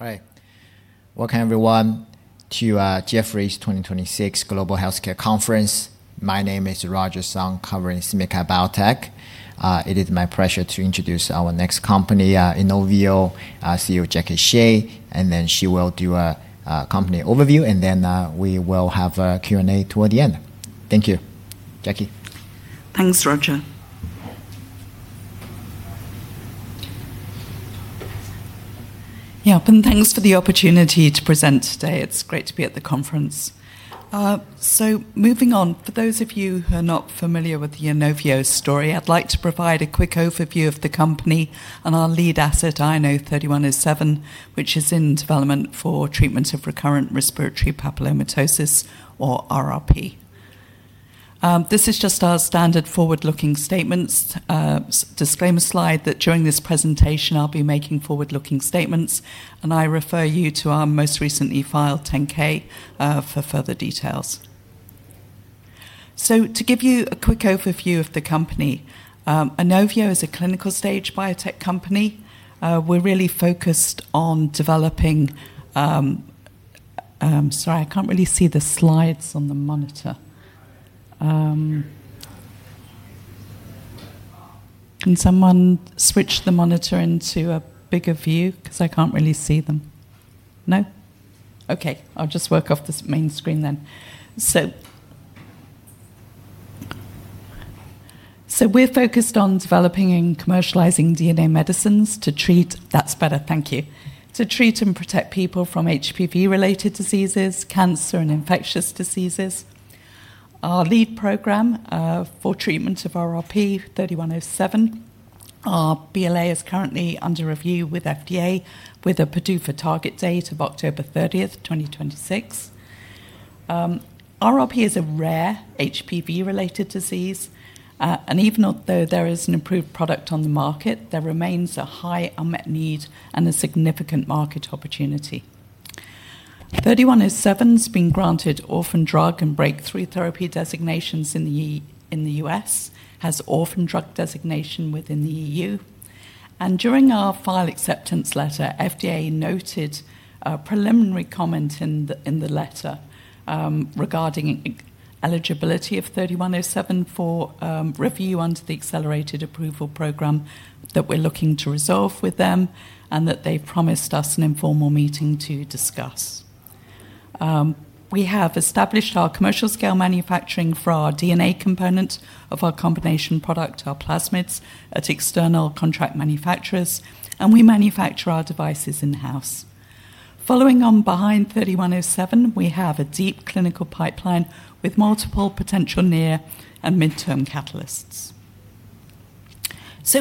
All right. Welcome, everyone, to Jefferies 2026 Global Healthcare Conference. My name is Roger Song, covering SMBC Biotech. It is my pleasure to introduce our next company, Inovio, CEO Jackie Shea, and then she will do a company overview, and then we will have a Q&A toward the end. Thank you. Jackie. Thanks, Roger. Yeah, and thanks for the opportunity to present today. It is great to be at the conference. Moving on, for those of you who are not familiar with the Inovio story, I would like to provide a quick overview of the company and our lead asset, INO-3107, which is in development for treatment of recurrent respiratory papillomatosis or RRP. This is just our standard forward-looking statements disclaimer slide, that during this presentation, I will be making forward-looking statements, and I refer you to our most recently filed 10-K for further details. To give you a quick overview of the company, Inovio is a clinical stage biotech company. We are really focused on developing. Sorry, I cannot really see the slides on the monitor. Can someone switch the monitor into a bigger view? Because I cannot really see them. No? Okay. I will just work off this main screen then. We're focused on developing and commercializing DNA medicines to treat and protect people from HPV-related diseases, cancer, and infectious diseases. Our lead program for treatment of RRP, INO-3107, our BLA is currently under review with FDA with a PDUFA target date of October 30th, 2026. RRP is a rare HPV-related disease. Even although there is an approved product on the market, there remains a high unmet need and a significant market opportunity. INO-3107's been granted orphan drug and breakthrough therapy designations in the U.S., has orphan drug designation within the E.U. During our file acceptance letter, FDA noted a preliminary comment in the letter regarding eligibility of INO-3107 for review under the Accelerated Approval Program that we're looking to resolve with them, and that they promised us an informal meeting to discuss. We have established our commercial scale manufacturing for our DNA component of our combination product, our plasmids, at external contract manufacturers, and we manufacture our devices in-house. Following on behind INO-3107, we have a deep clinical pipeline with multiple potential near and midterm catalysts.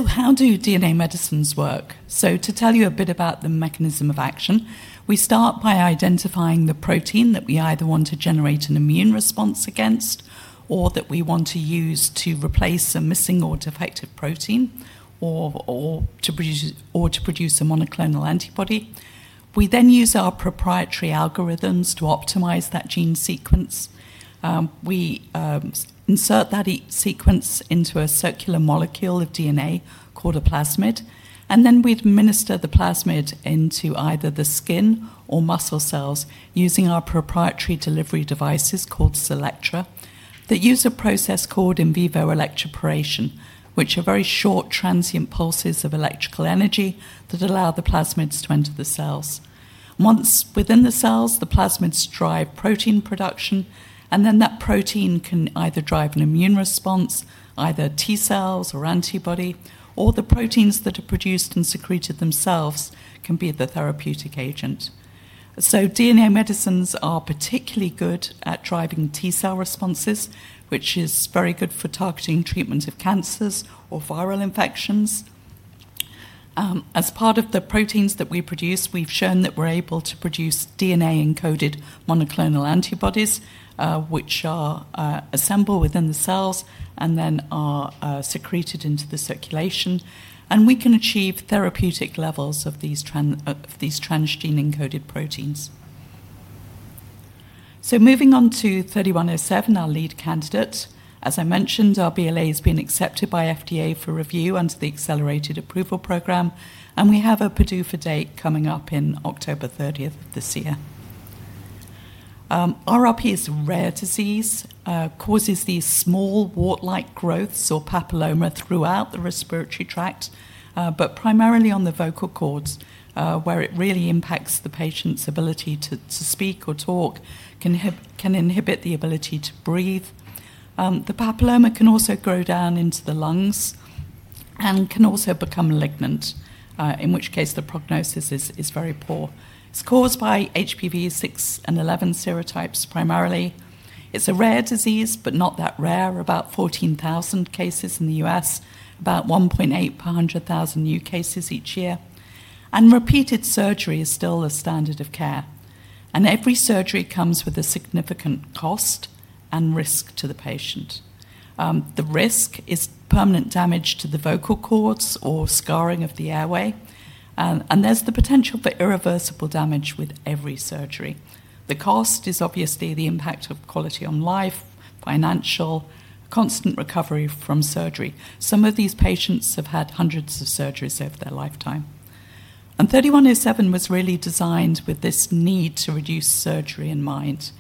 How do DNA medicines work? To tell you a bit about the mechanism of action, we start by identifying the protein that we either want to generate an immune response against or that we want to use to replace a missing or defective protein, or to produce a monoclonal antibody. We use our proprietary algorithms to optimize that gene sequence. We insert that sequence into a circular molecule of DNA called a plasmid. Then we administer the plasmid into either the skin or muscle cells using our proprietary delivery devices called CELLECTRA that use a process called in vivo electroporation, which are very short, transient pulses of electrical energy that allow the plasmids to enter the cells. Once within the cells, the plasmids drive protein production. Then that protein can either drive an immune response, either T cells or antibody, or the proteins that are produced and secreted themselves can be the therapeutic agent. DNA medicines are particularly good at driving T cell responses, which is very good for targeting treatment of cancers or viral infections. As part of the proteins that we produce, we've shown that we're able to produce DNA-encoded monoclonal antibodies, which are assembled within the cells. Then are secreted into the circulation. We can achieve therapeutic levels of these transgene-encoded proteins. Moving on to INO-3107, our lead candidate. As I mentioned, our BLA has been accepted by FDA for review under the Accelerated Approval Program, and we have a PDUFA date coming up in October 30th of this year. RRP is a rare disease. It causes these small wart-like growths or papilloma throughout the respiratory tract, but primarily on the vocal cords, where it really impacts the patient's ability to speak or talk. It can inhibit the ability to breathe. The papilloma can also grow down into the lungs and can also become malignant, in which case the prognosis is very poor. It's caused by HPV-6 and 11 serotypes, primarily. It's a rare disease, but not that rare. About 14,000 cases in the U.S. About 1.8 per 100,000 new cases each year. Repeated surgery is still the standard of care, and every surgery comes with a significant cost and risk to the patient. The risk is permanent damage to the vocal cords or scarring of the airway. There's the potential for irreversible damage with every surgery. The cost is obviously the impact of quality of life, financial, constant recovery from surgery. Some of these patients have had hundreds of surgeries over their lifetime. INO-3107 was really designed with this need to reduce surgery in mind.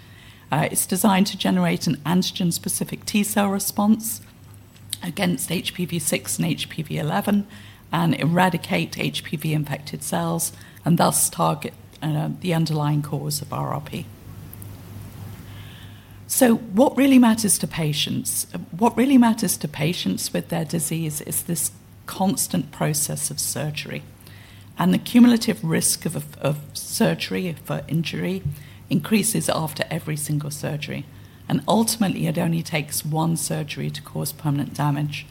It's designed to generate an antigen-specific T cell response against HPV-6 and HPV-11 and eradicate HPV-infected cells, and thus target the underlying cause of RRP. What really matters to patients with their disease is this constant process of surgery, and the cumulative risk of surgery for injury increases after every single surgery, and ultimately, it only takes one surgery to cause permanent damage.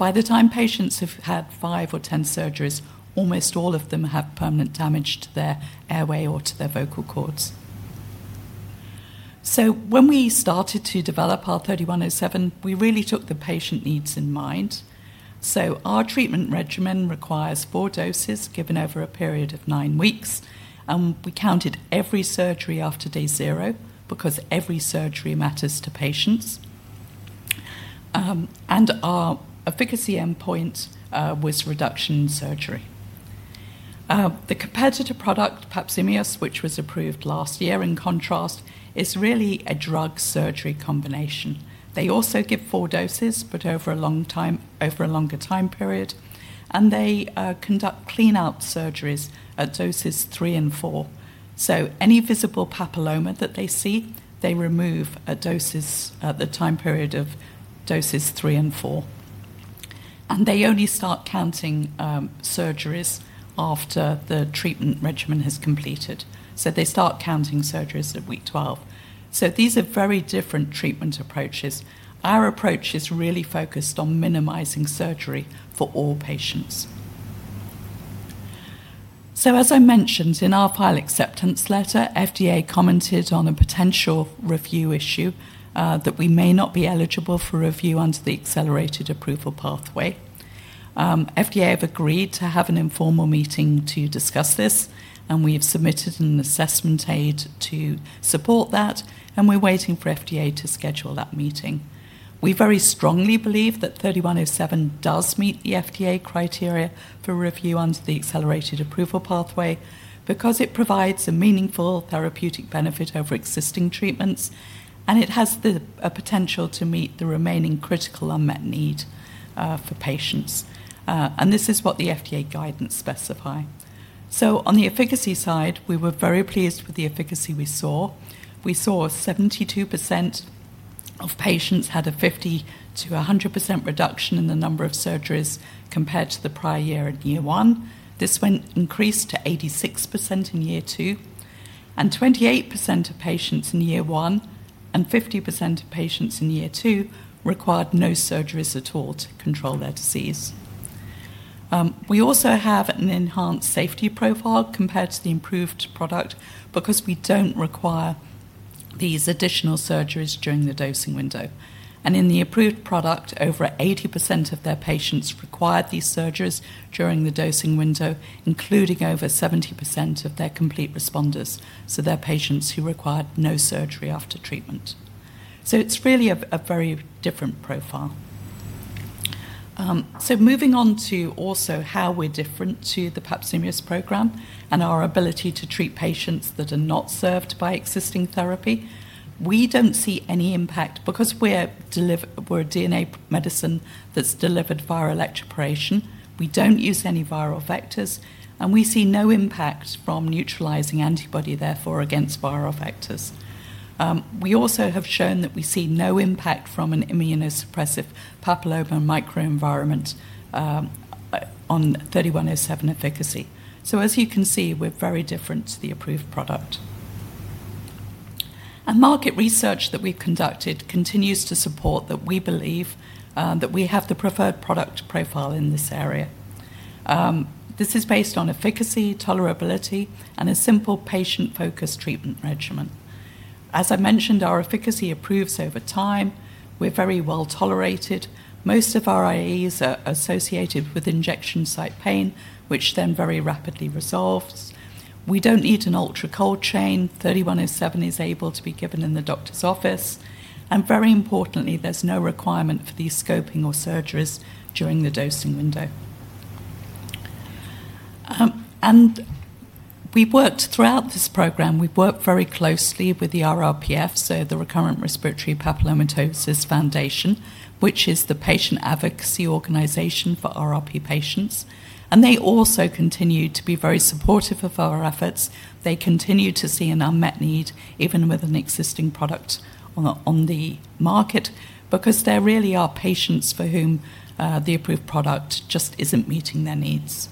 By the time patients have had five or 10 surgeries, almost all of them have permanent damage to their airway or to their vocal cords. When we started to develop our INO-3107, we really took the patient needs in mind. Our treatment regimen requires four doses given over a period of nine weeks, we counted every surgery after day zero because every surgery matters to patients. Our efficacy endpoint was reduction in surgery. The competitor product, Papzimeos, which was approved last year, in contrast, is really a drug-surgery combination. They also give four doses, over a longer time period, they conduct clean-out surgeries at doses three and four. Any visible papilloma that they see, they remove at the time period of doses three and four. They only start counting surgeries after the treatment regimen has completed. They start counting surgeries at week 12. These are very different treatment approaches. Our approach is really focused on minimizing surgery for all patients. As I mentioned in our PDUFA acceptance letter, FDA commented on a potential review issue that we may not be eligible for review under the Accelerated Approval Pathway. FDA have agreed to have an informal meeting to discuss this, and we have submitted an assessment aid to support that, and we're waiting for FDA to schedule that meeting. We very strongly believe that INO-3107 does meet the FDA criteria for review under the Accelerated Approval Pathway because it provides a meaningful therapeutic benefit over existing treatments, and it has a potential to meet the remaining critical unmet need for patients. This is what the FDA guidance specify. On the efficacy side, we were very pleased with the efficacy we saw. We saw 72% of patients had a 50%-100% reduction in the number of surgeries compared to the prior year at year one. This increased to 86% in year two, 28% of patients in year one and 50% of patients in year two required no surgeries at all to control their disease. We also have an enhanced safety profile compared to the improved product because we don't require these additional surgeries during the dosing window. In the approved product, over 80% of their patients required these surgeries during the dosing window, including over 70% of their complete responders, so their patients who required no surgery after treatment. It's really a very different profile. Moving on to also how we're different to the Recurrent Respiratory Papillomatosis program and our ability to treat patients that are not served by existing therapy. We don't see any impact because we're a DNA medicine that's delivered via electroporation. We don't use any viral vectors, and we see no impact from neutralizing antibody, therefore, against viral vectors. We also have shown that we see no impact from an immunosuppressive papilloma microenvironment on 3107 efficacy. As you can see, we're very different to the approved product. Market research that we've conducted continues to support that we believe that we have the preferred product profile in this area. This is based on efficacy, tolerability, and a simple patient-focused treatment regimen. As I mentioned, our efficacy improves over time. We're very well-tolerated. Most of our AEs are associated with injection site pain, which then very rapidly resolves. We don't need an ultra-cold chain. 3107 is able to be given in the doctor's office. Very importantly, there's no requirement for these scoping or surgeries during the dosing window. Throughout this program, we've worked very closely with the RRPF, so the Recurrent Respiratory Papillomatosis Foundation, which is the patient advocacy organization for RRP patients. They also continue to be very supportive of our efforts. They continue to see an unmet need, even with an existing product on the market, because there really are patients for whom the approved product just isn't meeting their needs.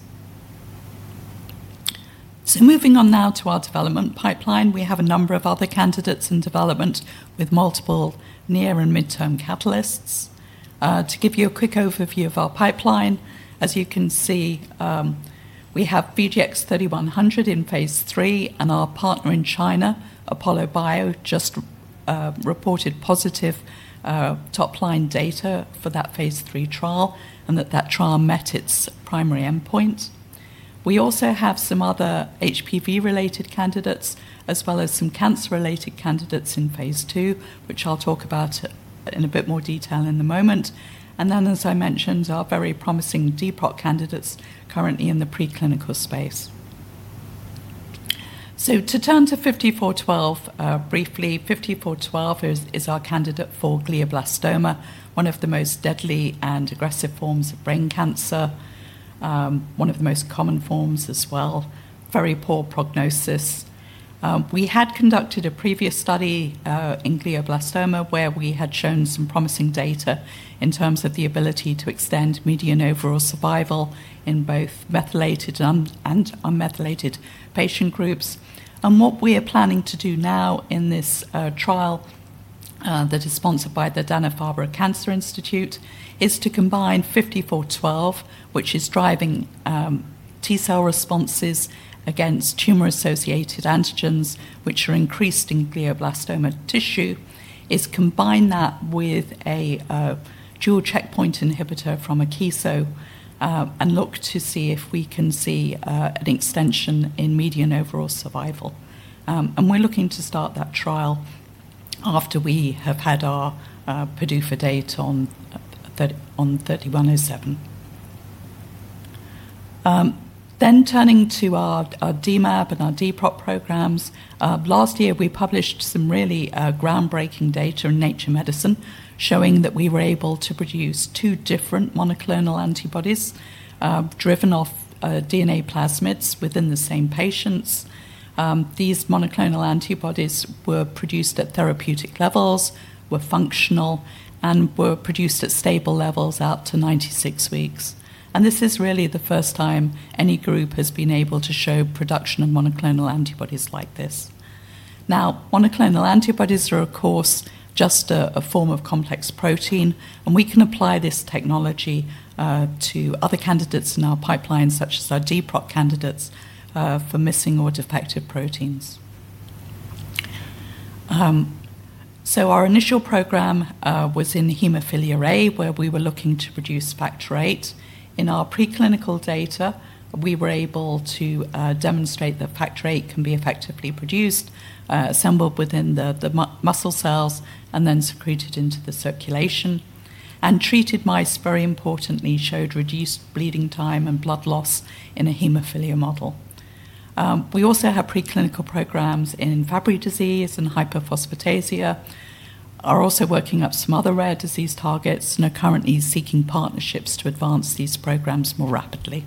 Moving on now to our development pipeline. We have a number of other candidates in development with multiple near and midterm catalysts. To give you a quick overview of our pipeline, as you can see, we have VGX-3100 in phase III, and our partner in China, ApolloBio, just reported positive top-line data for that phase III trial and that trial met its primary endpoint. We also have some other HPV-related candidates, as well as some cancer-related candidates in phase II, which I'll talk about in a bit more detail in a moment. As I mentioned, our very promising DPROT candidates currently in the preclinical space. To turn to INO-5401 briefly. INO-5401 is our candidate for glioblastoma, one of the most deadly and aggressive forms of brain cancer, one of the most common forms as well, very poor prognosis. We had conducted a previous study in glioblastoma, where we had shown some promising data in terms of the ability to extend median overall survival in both methylated and unmethylated patient groups. What we are planning to do now in this trial that is sponsored by the Dana-Farber Cancer Institute, is to combine 54 to 12, which is driving T-cell responses against tumor-associated antigens, which are increased in glioblastoma tissue, is combine that with a dual checkpoint inhibitor from Akeso, and look to see if we can see an extension in median overall survival. We're looking to start that trial after we have had our PDUFA date on 31/07. Turning to our DMAb and our DPROT programs. Last year, we published some really groundbreaking data in Nature Medicine showing that we were able to produce two different monoclonal antibodies, driven off DNA plasmids within the same patients. These monoclonal antibodies were produced at therapeutic levels, were functional, and were produced at stable levels out to 96 weeks. This is really the first time any group has been able to show production of monoclonal antibodies like this. Monoclonal antibodies are, of course, just a form of complex protein, and we can apply this technology to other candidates in our pipeline, such as our DPROT candidates for missing or defective proteins. Our initial program was in hemophilia A, where we were looking to produce factor VIII. In our preclinical data, we were able to demonstrate that factor VIII can be effectively produced, assembled within the muscle cells, and then secreted into the circulation. Treated mice, very importantly, showed reduced bleeding time and blood loss in a hemophilia model. We also have preclinical programs in Fabry disease and hypophosphatasia, are also working up some other rare disease targets and are currently seeking partnerships to advance these programs more rapidly.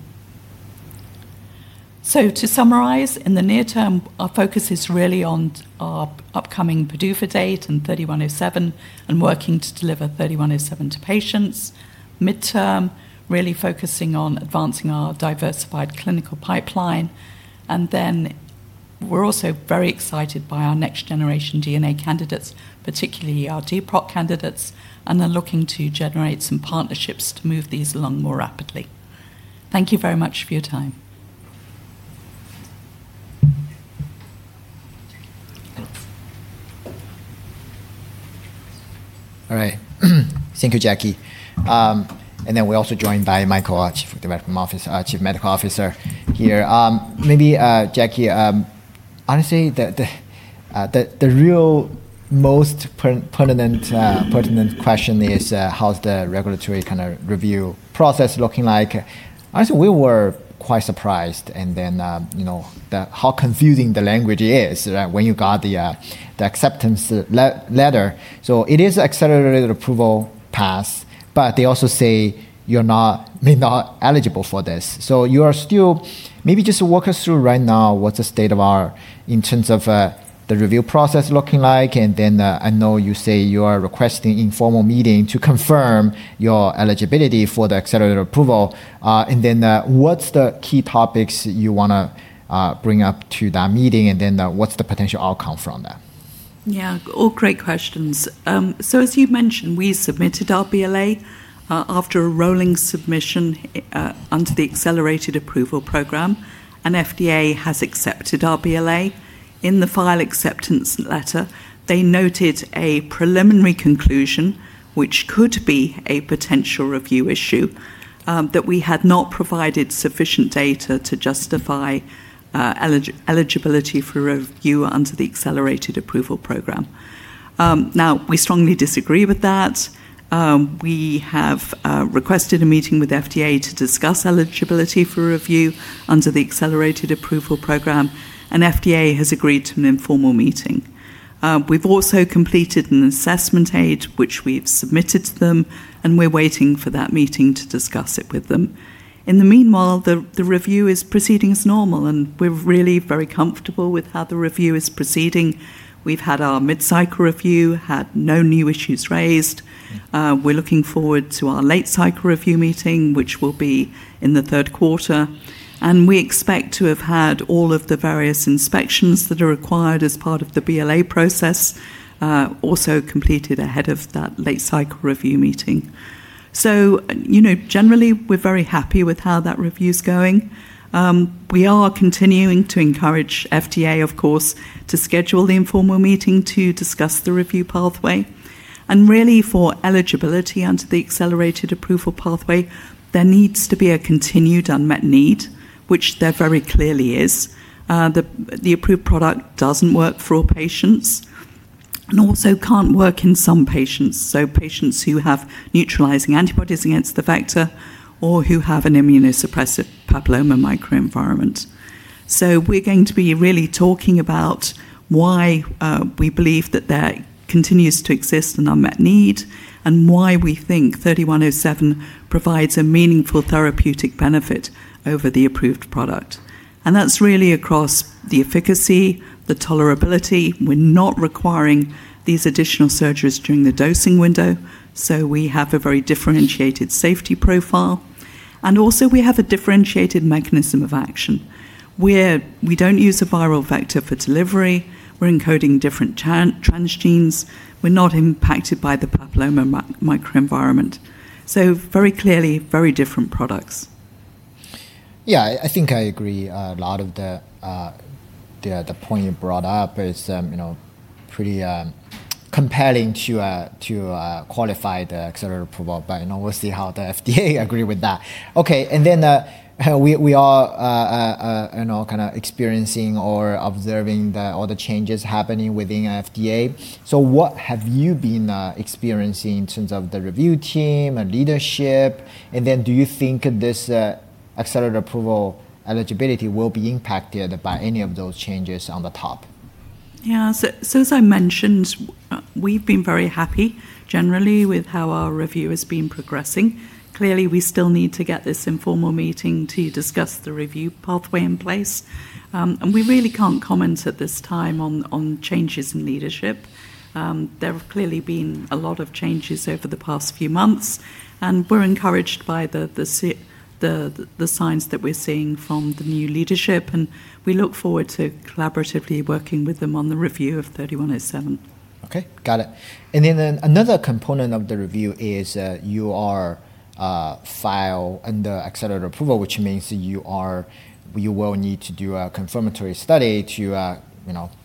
To summarize, in the near term, our focus is really on our upcoming PDUFA date and INO-3107, and working to deliver INO-3107 to patients. Midterm, really focusing on advancing our diversified clinical pipeline. We're also very excited by our next-generation DNA candidates, particularly our DPROT candidates, and are looking to generate some partnerships to move these along more rapidly. Thank you very much for your time. All right. Thank you, Jackie. We're also joined by Michael, our Chief Medical Officer here. Maybe, Jackie, honestly, the real most pertinent question is how's the regulatory kind of review process looking like? We were quite surprised how confusing the language is, right, when you got the acceptance letter. It is Accelerated Approval pass, but they also say you're may not eligible for this. Maybe just walk us through right now what's the state of RRP in terms of the review process looking like, I know you say you are requesting informal meeting to confirm your eligibility for the Accelerated Approval. What's the key topics you want to bring up to that meeting, what's the potential outcome from that? Yeah. All great questions. As you've mentioned, we submitted our BLA after a rolling submission under the Accelerated Approval Program, and FDA has accepted our BLA. In the file acceptance letter, they noted a preliminary conclusion, which could be a potential review issue, that we had not provided sufficient data to justify eligibility for review under the Accelerated Approval Program. We strongly disagree with that. We have requested a meeting with FDA to discuss eligibility for review under the Accelerated Approval Program, and FDA has agreed to an informal meeting. We've also completed an assessment aid, which we've submitted to them, and we're waiting for that meeting to discuss it with them. In the meanwhile, the review is proceeding as normal, and we're really very comfortable with how the review is proceeding. We've had our mid-cycle review, had no new issues raised. We're looking forward to our late-cycle review meeting, which will be in the third quarter. We expect to have had all of the various inspections that are required as part of the BLA process also completed ahead of that late-cycle review meeting. Generally, we're very happy with how that review's going. We are continuing to encourage FDA, of course, to schedule the informal meeting to discuss the review pathway. Really for eligibility under the Accelerated Approval pathway, there needs to be a continued unmet need, which there very clearly is. The approved product doesn't work for all patients. Also can't work in some patients who have neutralizing antibodies against the vector or who have an immunosuppressive papilloma microenvironment. We're going to be really talking about why we believe that there continues to exist an unmet need and why we think INO-3107 provides a meaningful therapeutic benefit over the approved product. That's really across the efficacy, the tolerability. We're not requiring these additional surgeries during the dosing window. We have a very differentiated safety profile. Also we have a differentiated mechanism of action, where we don't use a viral vector for delivery. We're encoding different transgenes. We're not impacted by the papilloma microenvironment. Very clearly, very different products. Yeah, I think I agree. A lot of the point you brought up is pretty compelling to qualify the accelerated approval. We'll see how the FDA agree with that. Okay. We all are kind of experiencing or observing all the changes happening within FDA. What have you been experiencing in terms of the review team and leadership? Do you think this accelerated approval eligibility will be impacted by any of those changes on the top? Yeah. As I mentioned, we've been very happy generally with how our review has been progressing. Clearly, we still need to get this informal meeting to discuss the review pathway in place. We really can't comment at this time on changes in leadership. There have clearly been a lot of changes over the past few months, and we're encouraged by the signs that we're seeing from the new leadership, and we look forward to collaboratively working with them on the review of 3107. Okay, got it. Another component of the review is you are filed under accelerated approval, which means you will need to do a confirmatory study to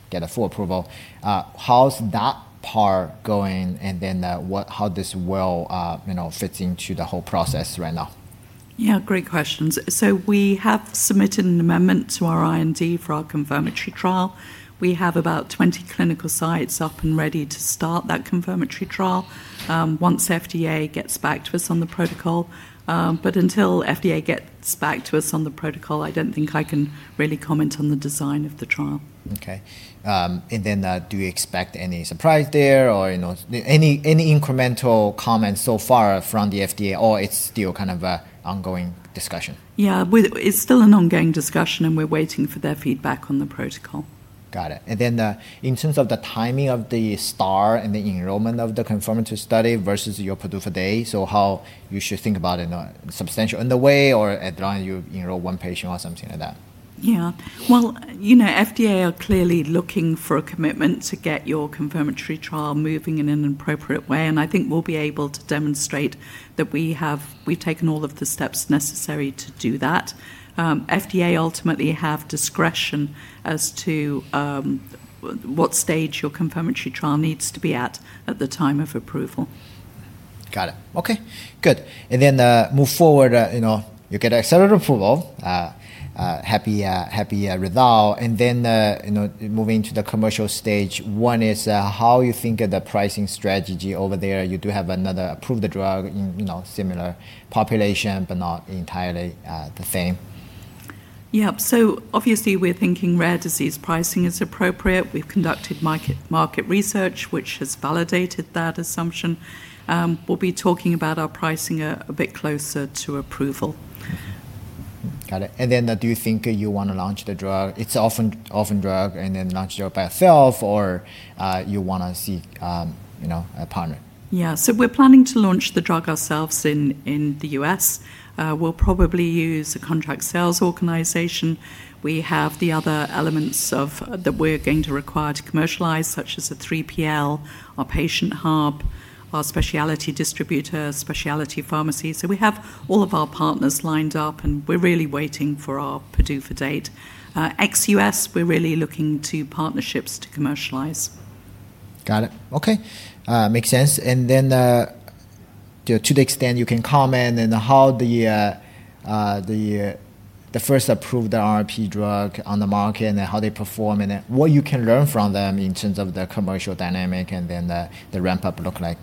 get a full approval. How's that part going? How this will fit into the whole process right now? Yeah, great questions. We have submitted an amendment to our IND for our confirmatory trial. We have about 20 clinical sites up and ready to start that confirmatory trial once FDA gets back to us on the protocol. Until FDA gets back to us on the protocol, I don't think I can really comment on the design of the trial. Okay. Do we expect any surprise there or any incremental comments so far from the FDA, or it's still kind of an ongoing discussion? Yeah, it's still an ongoing discussion, and we're waiting for their feedback on the protocol. Got it. In terms of the timing of the start and the enrollment of the confirmatory study versus your PDUFA date. How you should think about it now, substantial in the way or [at drawing you enroll one patient or something like that? Yeah. Well, FDA are clearly looking for a commitment to get your confirmatory trial moving in an appropriate way, and I think we'll be able to demonstrate that we've taken all of the steps necessary to do that. FDA ultimately have discretion as to what stage your confirmatory trial needs to be at the time of approval. Got it. Okay, good. move forward, you get accelerated approval. Happy result. moving to the commercial stage. One is how you think the pricing strategy over there, you do have another approved drug in similar population, but not entirely the same. Yep. Obviously, we're thinking rare disease pricing is appropriate. We've conducted market research, which has validated that assumption. We'll be talking about our pricing a bit closer to approval. Got it. Do you think you want to launch the drug, it's orphan drug and then launch it by yourself or you want to seek a partner? Yeah. We're planning to launch the drug ourselves in the U.S. We'll probably use a contract sales organization. We have the other elements that we're going to require to commercialize, such as a 3PL, our patient hub, our specialty distributor, specialty pharmacy. We have all of our partners lined up, and we're really waiting for our PDUFA date. Ex-U.S., we're really looking to partnerships to commercialize. Got it. Okay. Makes sense. to the extent you can comment and how the first approved RRP drug on the market and how they perform and what you can learn from them in terms of the commercial dynamic and then the ramp-up look like.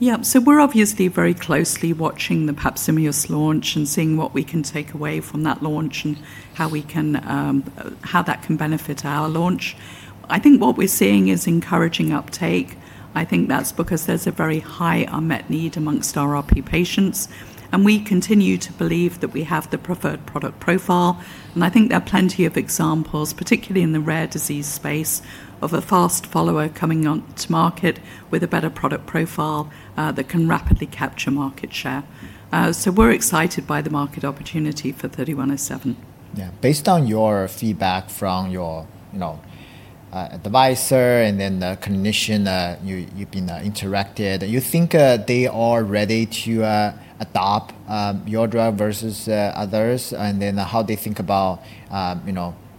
Yeah. We're obviously very closely watching the Papzimeos U.S. launch and seeing what we can take away from that launch and how that can benefit our launch. I think what we're seeing is encouraging uptake. I think that's because there's a very high unmet need amongst RRP patients, and we continue to believe that we have the preferred product profile. I think there are plenty of examples, particularly in the rare disease space, of a fast follower coming onto market with a better product profile that can rapidly capture market share. We're excited by the market opportunity for 3107. Yeah. Based on your feedback from your advisor and then the clinician you've been interacted, you think they are ready to adopt your drug versus others? how they think about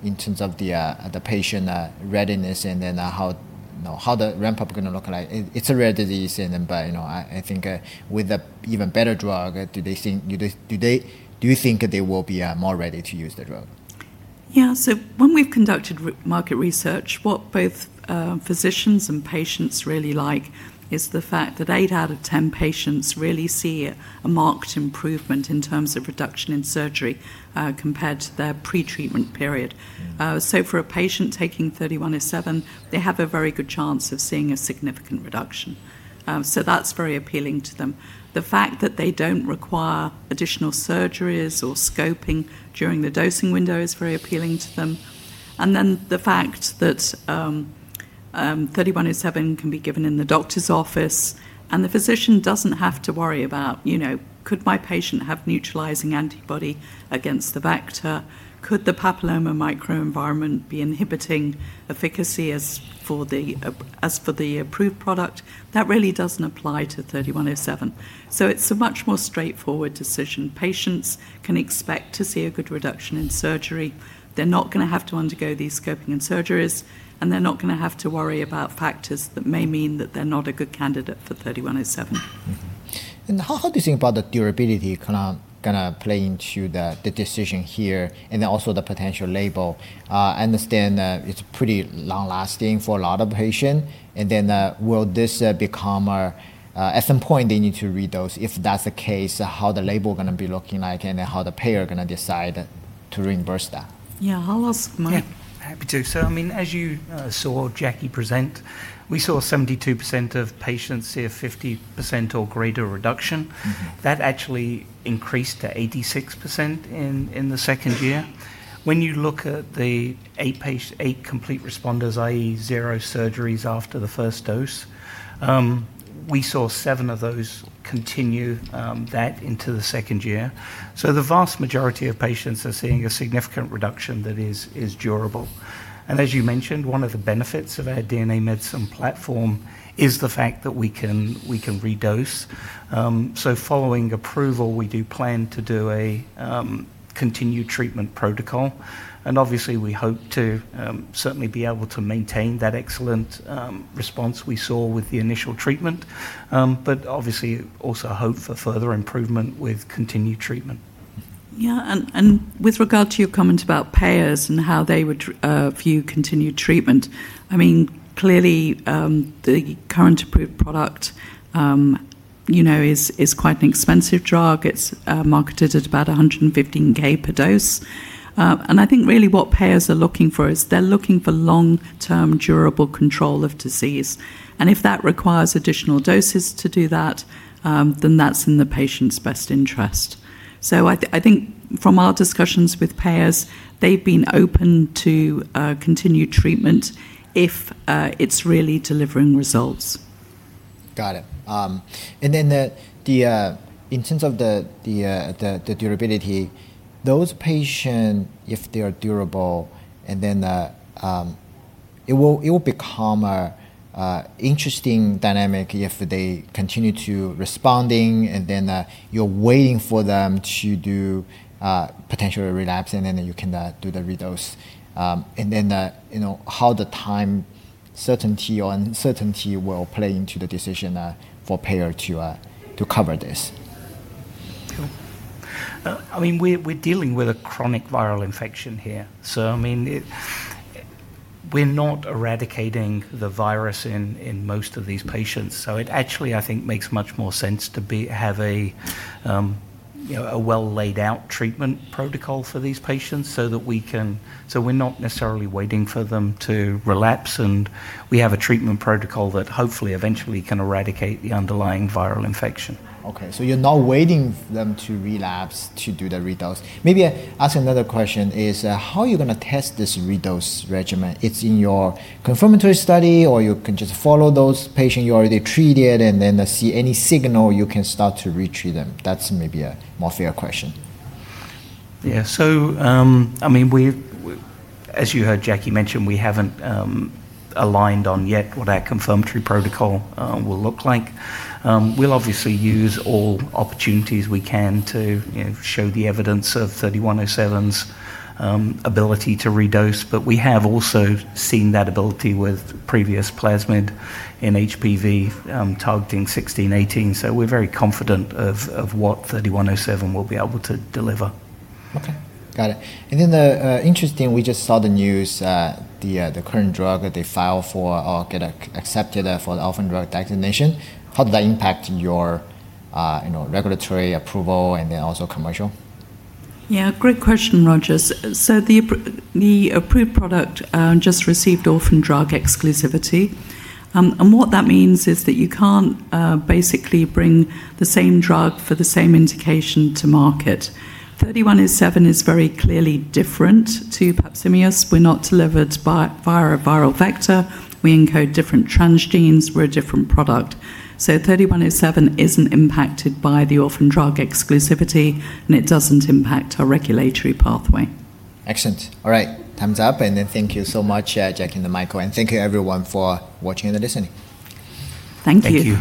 in terms of the patient readiness and then how the ramp-up going to look like? It's a rare disease, and then but I think with an even better drug, do you think they will be more ready to use the drug? Yeah. When we've conducted market research, what both physicians and patients really like is the fact that eight out of 10 patients really see a marked improvement in terms of reduction in surgery compared to their pre-treatment period. For a patient taking 3107, they have a very good chance of seeing a significant reduction. That's very appealing to them. The fact that they don't require additional surgeries or scoping during the dosing window is very appealing to them. The fact that 3107 can be given in the doctor's office and the physician doesn't have to worry about, could my patient have neutralizing antibody against the vector? Could the papilloma microenvironment be inhibiting efficacy as for the approved product? That really doesn't apply to 3107. It's a much more straightforward decision. Patients can expect to see a good reduction in surgery. They're not going to have to undergo these scoping and surgeries, and they're not going to have to worry about factors that may mean that they're not a good candidate for 3107. How do you think about the durability going to play into the decision here and then also the potential label? I understand that it's pretty long-lasting for a lot of patients, and then at some point they need to redose. If that's the case, how the label going to be looking like and how the payer going to decide to reimburse that? Yeah. How was Mike? Yeah. Happy too. As you saw Jackie present, we saw 72% of patients see a 50% or greater reduction. That actually increased to 86% in the second year. When you look at the eight complete responders, i.e., zero surgeries after the first dose, we saw seven of those continue that into the second year. The vast majority of patients are seeing a significant reduction that is durable. As you mentioned, one of the benefits of our DNA medicine platform is the fact that we can redose. Following approval, we do plan to do a continued treatment protocol, and obviously we hope to certainly be able to maintain that excellent response we saw with the initial treatment. Obviously, also hope for further improvement with continued treatment. Yeah. With regard to your comment about payers and how they would view continued treatment, clearly, the current approved product is quite an expensive drug. It's marketed at about $115,000 per dose. I think really what payers are looking for is they're looking for long-term durable control of disease. If that requires additional doses to do that, then that's in the patient's best interest. I think from our discussions with payers, they've been open to continued treatment if it's really delivering results. Got it. In terms of the durability, those patients, if they are durable, and then it will become an interesting dynamic if they continue to responding and then you're waiting for them to do potential relapse, and then you can do the redose. How the time certainty or uncertainty will play into the decision for payer to cover this. We're dealing with a chronic viral infection here. We're not eradicating the virus in most of these patients. It actually, I think, makes much more sense to have a well-laid-out treatment protocol for these patients so we're not necessarily waiting for them to relapse, and we have a treatment protocol that hopefully eventually can eradicate the underlying viral infection. Okay. You're not waiting for them to relapse to do the redose. Maybe I ask another question, is how are you going to test this redose regimen? It's in your confirmatory study, or you can just follow those patient you already treated, and then see any signal you can start to re-treat them. That's maybe a more fair question. Yeah. As you heard Jackie mention, we haven't aligned on yet what our confirmatory protocol will look like. We'll obviously use all opportunities we can to show the evidence of 3107's ability to redose, but we have also seen that ability with previous plasmid in HPV targeting 16, 18. We're very confident of what 3107 will be able to deliver. Okay. Got it. interesting, we just saw the news the current drug that they filed for or get accepted for the orphan drug designation. How did that impact your regulatory approval and then also commercial? Yeah. Great question, Roger. The approved product just received orphan drug exclusivity. What that means is that you can't basically bring the same drug for the same indication to market. 3107 is very clearly different to papillomavirus. We're not delivered via a viral vector. We encode different transgenes. We're a different product. 3107 isn't impacted by the orphan drug exclusivity, and it doesn't impact our regulatory pathway. Excellent. All right. Time's up, thank you so much, Jackie and Michael, and thank you everyone for watching and listening. Thank you.